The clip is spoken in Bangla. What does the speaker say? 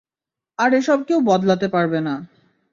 আর এসব কেউ বদলাতে পারবে না।